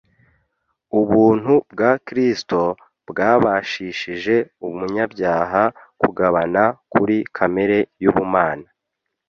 Ubuntu bwa Kristo bwabashishije umunyabyaha kugabana kuri kamere y'ubumana